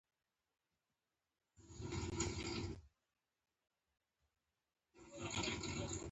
سامان د بلخ له خلکو و او مسلمان شو.